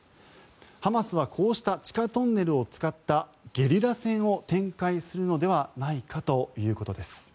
ハマスはこうした地下トンネルを使ったゲリラ戦を展開するのではないかということです。